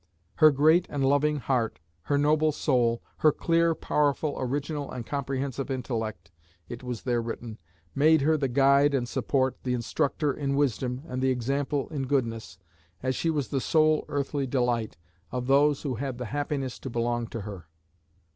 "Her great and loving heart, her noble soul, her clear, powerful, original, and comprehensive intellect," it was there written, "made her the guide and support, the instructor in wisdom, and the example in goodness, as she was the sole earthly delight, of those who had the happiness to belong to her.